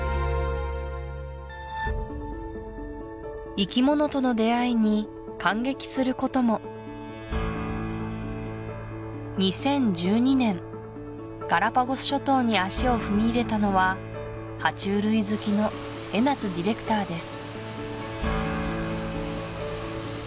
生き物との出会いに感激することも２０１２年ガラパゴス諸島に足を踏み入れたのは爬虫類好きの江夏ディレクターです